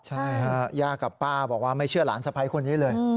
ใช่ฮะย่ากับป้าบอกว่าไม่เชื่อหลานสะพ้ายคนนี้เลย